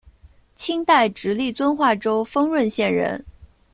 清代直隶遵化州丰润县人。